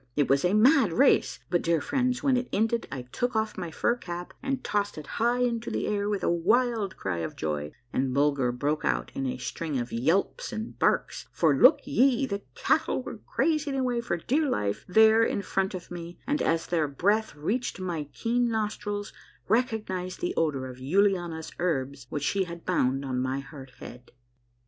It was a mad race ; but, dear friends, when it ended I took off my fur cap and tossed it high into the air with a wild cry of joy, and Bulger broke out in a string of yelps and barks, for, look ye, the cattle were grazing away for dear life there in front of me, and as their breath reached me my keen nostrils recognized the odor of Yuliana's herbs which she had bound on my hurt head.